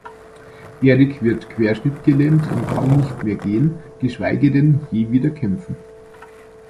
Eric wird querschnittgelähmt und kann nicht mehr gehen, geschweige denn je wieder kämpfen.